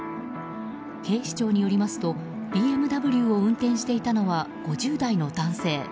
警視庁によりますとＢＭＷを運転していたのは５０代の男性。